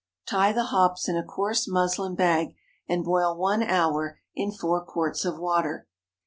Tie the hops in a coarse muslin bag, and boil one hour in four quarts of water.